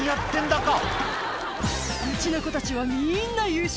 うちの子たちはみんな優秀。